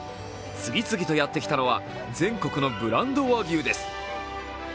次々とやってきたのは全国のブランド和牛です。